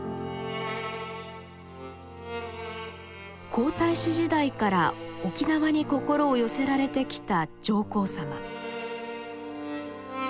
皇太子時代から沖縄に心を寄せられてきた上皇さま。